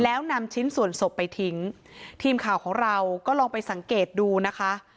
แล้วนำชิ้นส่วนศพไปทิ้งทีมข่าวของเราก็ลองไปสังเกตดูนะคะ